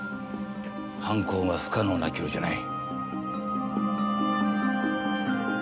犯行が不可能な距離じゃない。